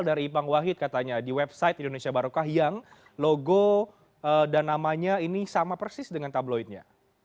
dari ipang wahid katanya di website indonesia barokah yang logo dan namanya ini sama persis dengan tabloidnya